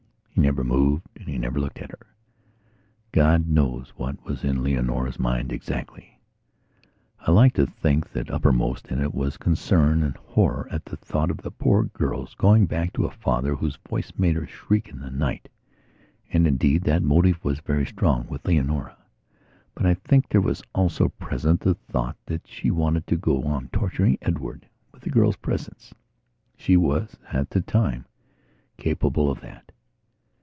He never moved and he never looked at her. God knows what was in Leonora's mind exactly. I like to think that, uppermost in it was concern and horror at the thought of the poor girl's going back to a father whose voice made her shriek in the night. And, indeed, that motive was very strong with Leonora. But I think there was also present the thought that she wanted to go on torturing Edward with the girl's presence. She was, at that time, capable of that.